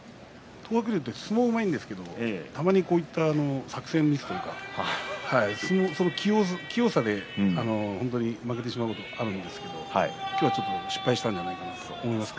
東白龍は相撲がうまいんですけどたまにこういった作戦ミスというか器用さで負けてしまうことがあるんですけど今日はちょっと失敗したんじゃないかなと思います。